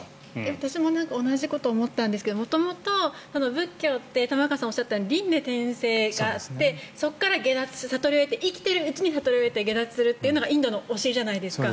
私も同じことを思ったんですけど元々、仏教って玉川さんがおっしゃったように輪廻転生があってそこから解脱して生きてるうちに悟りを得て解脱するというのがインドの教えじゃないですか。